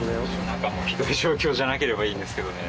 中もひどい状況じゃなければいいんですけどね。